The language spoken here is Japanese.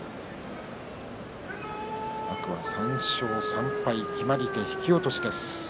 天空海は３勝３敗決まり手は引き落としです。